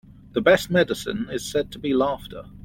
The best medicine is said to be laughter.